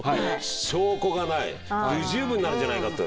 証拠がない不十分なんじゃないかと。